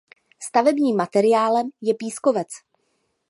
Stavebním materiálem je pískovec.